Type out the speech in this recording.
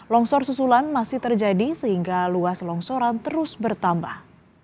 longsor susulan masih terjadi sehingga luas longsoran terus bertambah